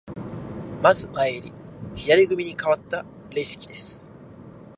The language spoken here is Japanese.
まず前襟、左組にかわったレシキです。